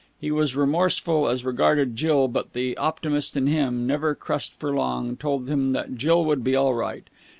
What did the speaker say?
He was remorseful as regarded Jill, but the optimist in him, never crushed for long, told him that Jill would be all right.